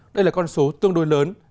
đây là con số tương đối lớn